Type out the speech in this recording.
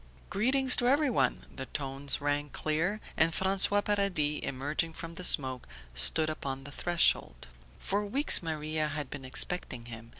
"Greetings to everyone!" The tones rang clear, and François Paradis, emerging from the smoke, stood upon the threshold. For weeks Maria had been expecting him.